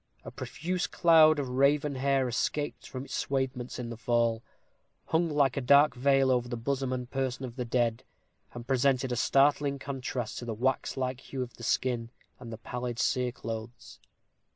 A profuse cloud of raven hair, escaped from its swathements in the fall, hung like a dark veil over the bosom and person of the dead, and presented a startling contrast to the waxlike hue of the skin and the pallid cereclothes.